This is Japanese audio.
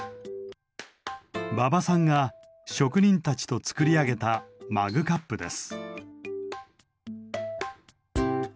馬場さんが職人たちと作り上げたマグカップです。